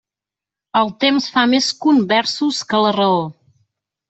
El temps fa més conversos que la raó.